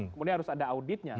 kemudian harus ada auditnya